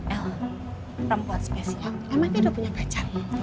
el perempuan spesial emang dia udah punya pacarnya